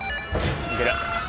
いける。